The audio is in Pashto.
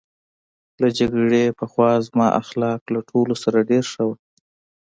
له جګړې پخوا زما اخلاق له ټولو سره ډېر ښه وو